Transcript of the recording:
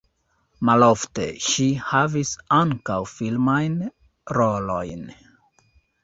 Malofte ŝi havis ankaŭ filmajn rolojn.